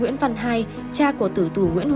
giờ nó dịch bây giờ